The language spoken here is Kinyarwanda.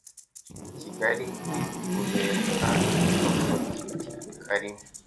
KibaliBuberuka Epafroditi Kalima